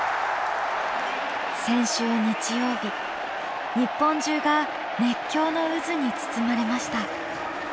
先週日曜日日本中が熱狂の渦に包まれました。